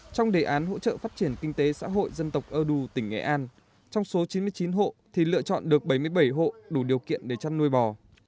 trong đề án hỗ trợ phát triển kinh tế xã hội dân tộc ơ đu tỉnh nghệ an trong số chín mươi chín hộ thì lựa chọn được bảy mươi bảy hộ đủ điều kiện để chăn nuôi bò